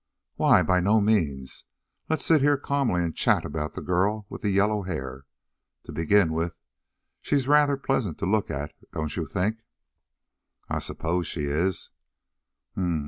"Why, by no means! Let's sit here calmly and chat about the girl with the yellow hair. To begin with she's rather pleasant to look at, don't you think?" "I suppose she is."